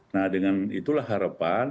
nah dengan itulah harapan